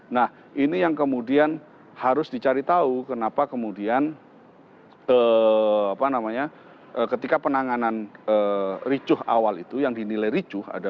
nah ini yang kemudian harus dicari tahu kenapa kemudian ketika penanganan ricuh awal itu yang dinilai ricuh